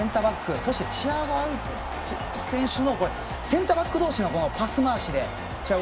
そしてチアゴ・シウバ選手とのセンターバック同士のパス回しで。